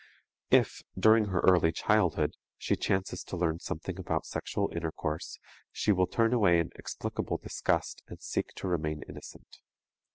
If, during her early childhood, she chances to learn something about sexual intercourse, she will turn away in explicable disgust and seek to remain innocent.